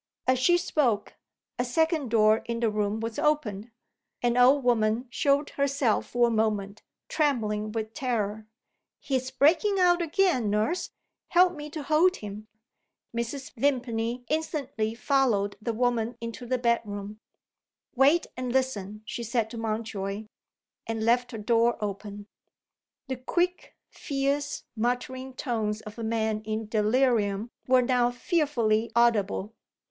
As she spoke, a second door in the room was opened. An old woman showed herself for a moment, trembling with terror. "He's breaking out again, nurse! Help me to hold him!" Mrs. Vimpany instantly followed the woman into the bed room. "Wait and listen," she said to Mountjoy and left the door open. The quick, fierce, muttering tones of a man in delirium were now fearfully audible.